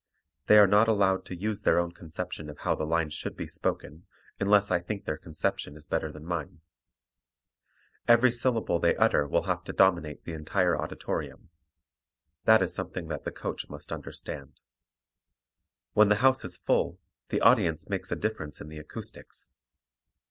They are not allowed to use their own conception of how the lines should be spoken unless I think their conception is better than mine. Every syllable they utter will have to dominate the entire auditorium. That is something that the coach must understand. When the house is full, the audience makes a difference in the acoustics.